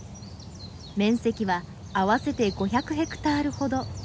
面積は合わせて５００ヘクタールほど。